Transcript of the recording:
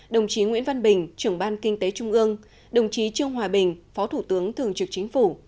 đồng chí nguyễn văn bình trưởng ban kinh tế trung ương đồng chí trương hòa bình phó thủ tướng thường trực chính phủ